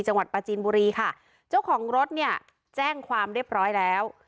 ปลาจีนบุรีค่ะเจ้าของรถเนี่ยแจ้งความเรียบร้อยแล้ว